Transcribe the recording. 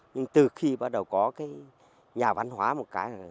nhưng từ khi bắt đầu có cái nhà văn hóa một cái